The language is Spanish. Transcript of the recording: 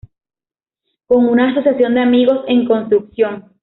Con una asociación de amigos en construcción.